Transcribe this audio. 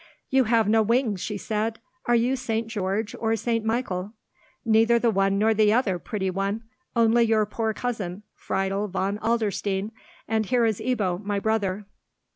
"You have no wings," she said. "Are you St. George, or St. Michael?" "Neither the one nor the other, pretty one. Only your poor cousin Friedel von Adlerstein, and here is Ebbo, my brother."